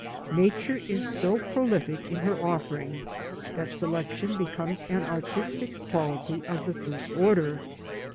Nature is so prolific in her offerings that selection becomes an artistic quality of the first order.